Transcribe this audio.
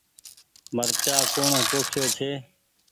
مرچآ ڪوڻ پوکيو ڇي۔